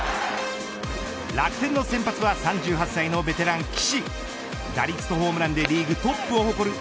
楽天の先発は３８歳のベテラン岸。